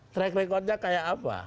track recordnya kayak apa